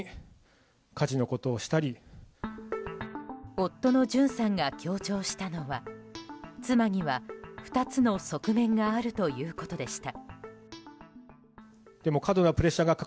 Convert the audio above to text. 夫のジュンさんが強調したのは妻には、２つの側面があるということでした。